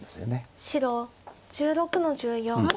白１６の十四。